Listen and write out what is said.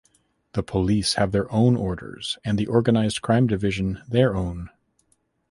The police have their own orders and the organized crime division their own.